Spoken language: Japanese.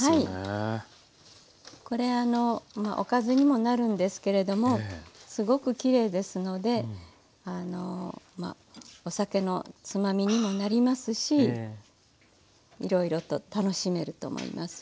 これおかずにもなるんですけれどもすごくきれいですのでお酒のつまみにもなりますしいろいろと楽しめると思います。